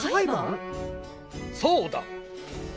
そうだ。